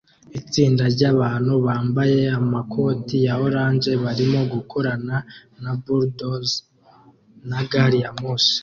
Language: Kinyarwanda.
Itsinda ryabantu bambaye amakoti ya orange barimo gukorana na bulldozer na gari ya moshi